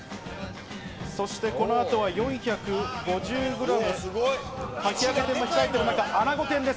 そしてこのあとは４５０グラムかき揚げ天も控えてる中、アナゴ天です。